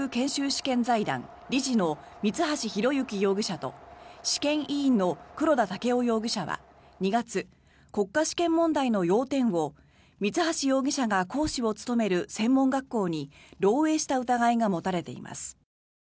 試験財団理事の三橋裕之容疑者と試験委員の黒田剛生容疑者は２月国家試験の要点を三橋容疑者が講師を務める専門学校に漏えいした疑いが持たれています。